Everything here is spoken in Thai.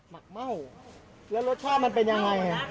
หมักเม่าแล้วรสชาติมันเป็นยังไง